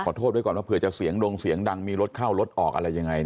โทษไว้ก่อนว่าเผื่อจะเสียงดงเสียงดังมีรถเข้ารถออกอะไรยังไง